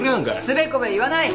つべこべ言わない。